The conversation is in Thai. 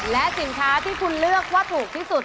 และสินค้าที่คุณเลือกว่าถูกที่สุด